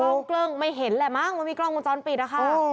กล้องเกลืองไม่เห็นแหละมั้งมันมีกล้องมุมจรปิดอะค่ะ